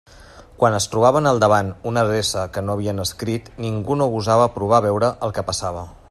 Quan es trobaven al davant una adreça «que no havien escrit», ningú no gosava «provar» a veure el que passava.